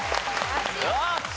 よし！